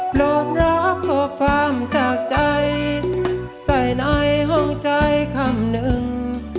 พร้อมรับข้อความจากใจใส่ในห้องใจคำหนึ่ง